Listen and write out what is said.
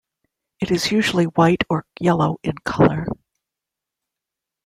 It is usually white or yellow in colour.